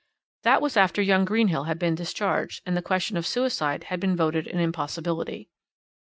That was after young Greenhill had been discharged, and the question of suicide had been voted an impossibility.